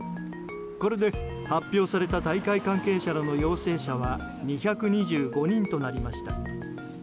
これで発表された大会関係者の陽性者は２２５人となりました。